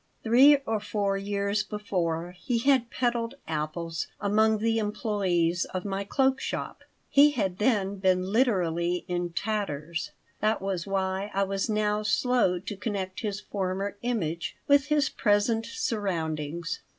Three or four years before he had peddled apples among the employees of my cloak shop. He had then been literally in tatters. That was why I was now slow to connect his former image with his present surroundings.